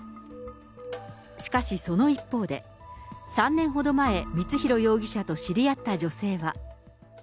しかしその一方で、３年ほど前、光弘容疑者と知り合った女性は。